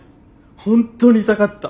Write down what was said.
本当に痛かった。